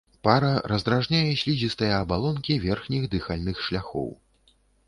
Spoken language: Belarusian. Пара раздражняе слізістыя абалонкі верхніх дыхальных шляхоў.